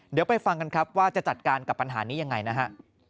เดี๋ยวไปฟังกันครับว่าจะจัดการกับปัญหานี้ยังไงนะฮะ